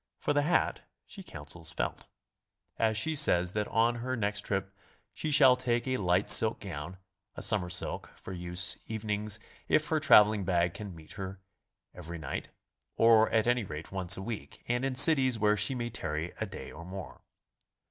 For tihe hat she counsels felt. And she says 'that on her next trip she shall take a light silk gown, a summer silk, for use evenings if her traveling bag can meet her every night, or at any rate once a week, and in cities where she may tarry a day or more.